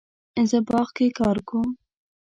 زه باغ کې کار کوم